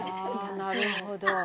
なるほど。